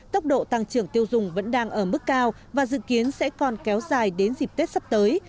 tốc độ tăng trưởng tiêu dùng vẫn đang ở mức cao và dự kiến sẽ còn kéo dài đến dịp tết sắp tới